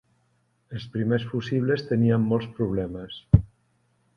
Els primers fusibles tenien molts problemes.